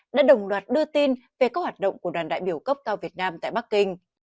đã đồng loạt đưa tin về các hoạt động của đoàn đại biểu cấp cao việt nam tại bắc kinh